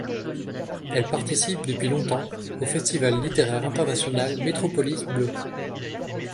Elle participe depuis longtemps au festival littéraire international Metropolis bleu.